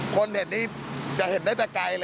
คนเห็นนี่จะเห็นได้แต่ไกลเลย